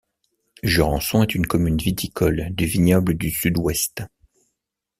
Jurançon est une commune viticole du vignoble du Sud-Ouest.